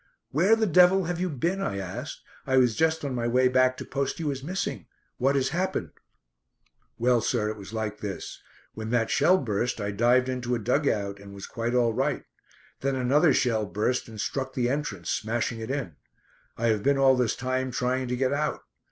"Where the devil have you been?" I asked. "I was just on my way back to post you as missing. What has happened?" "Well, sir, it was like this. When that shell burst I dived into a dug out, and was quite all right. Then another shell burst and struck the entrance, smashing it in. I have been all this time trying to get out.